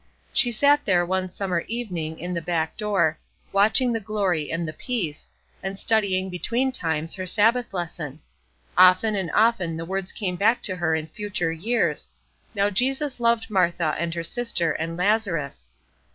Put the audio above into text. She sat there one summer evening, in the back door, watching the glory and the peace, and studying, between times, her Sabbath lesson. Often and often the words came back to her in future years. "Now Jesus loved Martha and her sister and Lazarus."